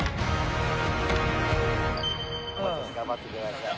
頑張ってください。